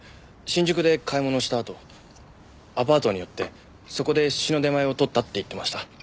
新宿で買い物をしたあとアパートに寄ってそこで寿司の出前を取ったって言ってました。